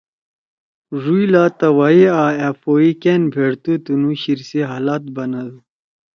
ڙُوئں لا توائی آں أ پو ئی کأن بھیڑتُو تنُو شیِر سی حالات بنَدُو۔